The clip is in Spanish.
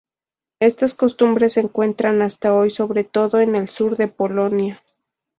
Estas costumbres se encuentran hasta hoy sobre todo en el sur de Polonia.